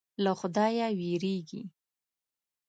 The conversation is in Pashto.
له خدایه وېرېږي.